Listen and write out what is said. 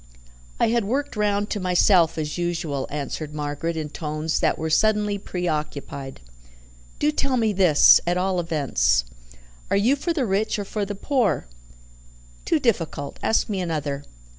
"I had worked round to myself, as usual," answered Margaret in tones that were suddenly preoccupied. "Do tell me this, at all events. Are you for the rich or for the poor?" "Too difficult. Ask me another.